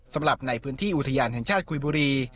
สำหรับในพื้นที่อุทยานแห่งชาติกุยบุรี